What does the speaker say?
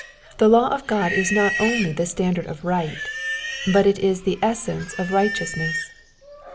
The law of God is not only the standard of right, but it is the essence of righteousness.